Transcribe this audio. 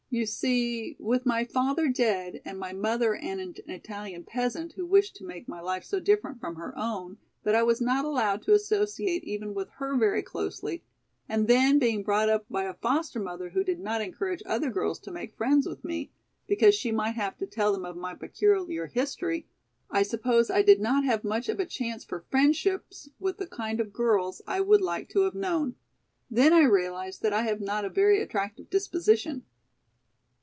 You see with my father dead and my mother an Italian peasant, who wished to make my life so different from her own that I was not allowed to associate even with her very closely, and then being brought up by a foster mother who did not encourage other girls to make friends with me, because she might have to tell them of my peculiar history, I suppose I did not have much of a chance for friendships with the kind of girls I would like to have known! Then I realize that I have not a very attractive disposition."